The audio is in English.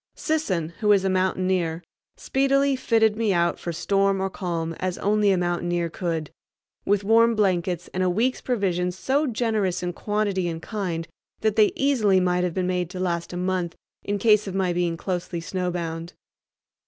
Sisson, who is a mountaineer, speedily fitted me out for storm or calm as only a mountaineer could, with warm blankets and a week's provisions so generous in quantity and kind that they easily might have been made to last a month in case of my being closely snowbound.